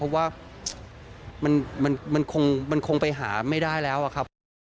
เพราะว่ามันคงไปหาไม่ได้แล้วอะครับ